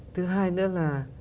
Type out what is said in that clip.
thứ hai nữa là